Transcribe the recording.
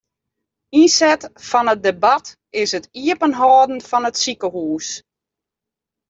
Ynset fan it debat is it iepenhâlden fan it sikehûs.